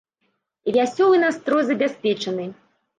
І вясёлы настрой забяспечаны.